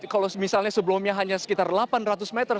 kalau misalnya sebelumnya hanya sekitar delapan ratus meter